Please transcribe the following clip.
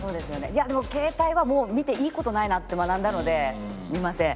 いやでも携帯は見ていい事ないなって学んだので見ません。